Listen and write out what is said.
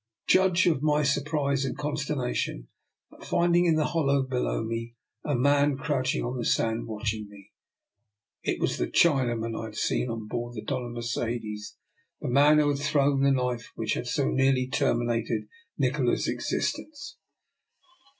Judge of my surprise and consternation at finding, in the hollow below me, a man crouching on the sand, watching me. // was tJie Chinaman I had seen on board the Dona Mercedes, tlie man who had thrown the knife which had so nearly terminated Nikola's existence.